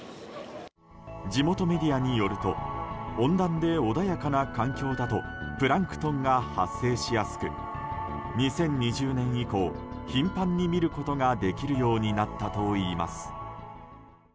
地元メディアによると温暖で穏やかな環境だとプランクトンが発生しやすく２０２０年以降頻繁に見ることができるようになったといいます。